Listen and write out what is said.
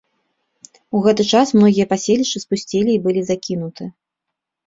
У гэты час многія паселішчы спусцелі і былі закінуты.